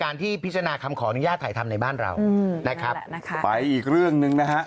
ที่พิจารณาคำขออนุญาตถ่ายทำในบ้านเรานะครับไปอีกเรื่องหนึ่งนะฮะ